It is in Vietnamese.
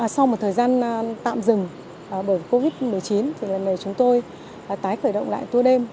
sau một thời gian tạm dừng bởi covid một mươi chín lần này chúng tôi tái khởi động lại tour đêm